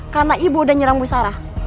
karena ibu udah nyerang bu sarah